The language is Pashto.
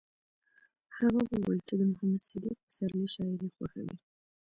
هغې وویل چې د محمد صدیق پسرلي شاعري خوښوي